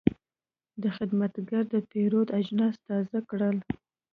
دا خدمتګر د پیرود اجناس تازه کړل.